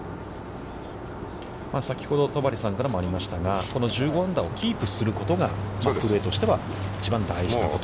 先ほど戸張さんからもありましたがこの１５アンダーをキープすることが、プロとしては一番大事なこと。